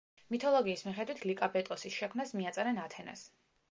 მითოლოგიის მიხედვით ლიკაბეტოსის შექმნას მიაწერენ ათენას.